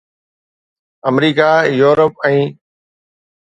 America, Europe ۽